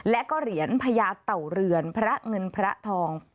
และก็เหรียญพญาเต่าเรือนพระเงินพระทอง